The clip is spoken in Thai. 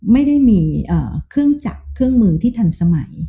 ไม่ได้มีเครื่องจักรเครื่องมือที่ทันสมัย